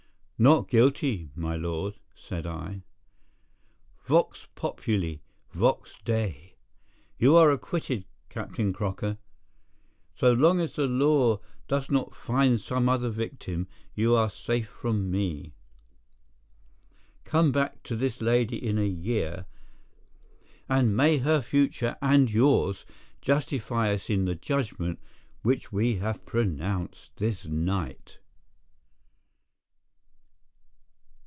"Not guilty, my lord," said I. "Vox populi, vox Dei. You are acquitted, Captain Crocker. So long as the law does not find some other victim you are safe from me. Come back to this lady in a year, and may her future and yours justify us in the judgment which we have pronounced this night!"